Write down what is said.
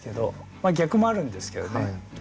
まあ逆もあるんですけどね。